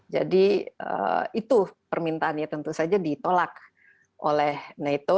jadi itu permintaannya tentu saja ditolak oleh nato